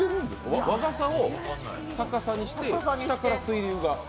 和傘を逆さにして、下から水流が。